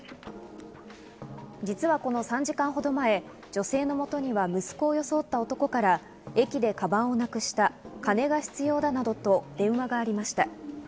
実はこの３時間ほど前、女性の元には息子を装った男から駅でかばんをなくした、金が必要だなどと電話がありました。